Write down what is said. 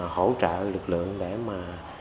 hỗ trợ lực lượng để mà